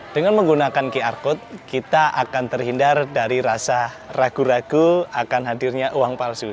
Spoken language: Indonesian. dengan menggunakan qr code kita akan terhindar dari rasa ragu ragu akan hadirnya uang palsu